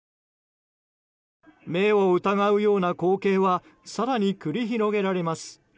目を疑うような光景は更に繰り広げられます。